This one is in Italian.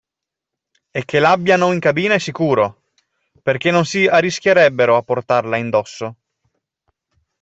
E che l'abbiano in cabina è sicuro, perché non si arrischierebbero a portarla in dosso.